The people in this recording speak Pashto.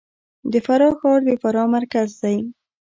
د فراه ښار د فراه مرکز دی